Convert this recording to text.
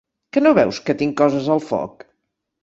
Que no veus que tinc coses al foc?